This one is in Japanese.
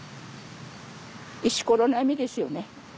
石ころ並みですよね